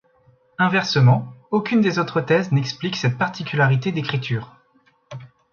Inversement, aucune des autres thèses n'explique cette particularité d'écriture.